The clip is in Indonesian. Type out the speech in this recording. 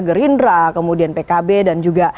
gerindra kemudian pkb dan juga